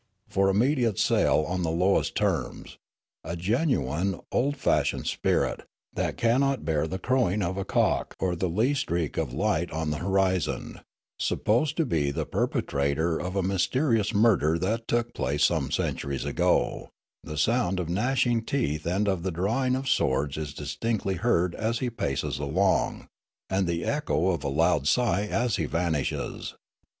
' For immediate sale on the lowest terms, a genuine old fashioned spirit, that cannot bear the crowing of a cock or the least streak of light on the horizon ; supposed to be the per petrator of a mysterious murder that took place some centuries ago; the sound of gnashing teeth and of the drawing of swords is distinctl} heard as he paces along, and the echo of a loud sigh as he vanishes.